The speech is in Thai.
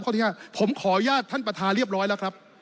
ที่๕ผมขออนุญาตท่านประธานเรียบร้อยแล้วครับ